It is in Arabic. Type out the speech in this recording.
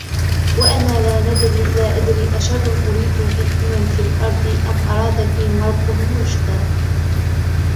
وأنا لا ندري أشر أريد بمن في الأرض أم أراد بهم ربهم رشدا